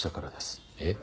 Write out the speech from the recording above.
えっ？